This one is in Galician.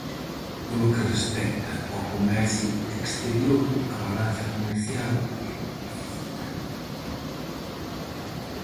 Polo que respecta ao comercio exterior, a balanza comercial é deficitaria.